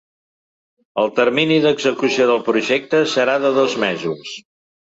El termini d’execució del projecte serà de dos mesos.